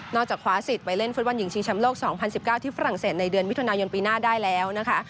จากคว้าสิทธิ์ไปเล่นฟุตบอลหญิงชิงแชมป์โลก๒๐๑๙ที่ฝรั่งเศสในเดือนมิถุนายนปีหน้าได้แล้วนะคะ